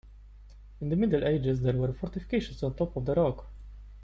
In the Middle Ages there were fortifications on top of the rock.